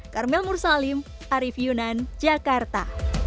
carmel mursalim arif yunan jakarta